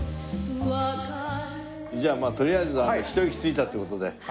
じゃあまあとりあえずひと息ついたって事で。